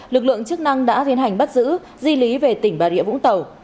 lực lượng chức năng đã tiến hành bắt giữ di lý về tỉnh bà rịa vũng tàu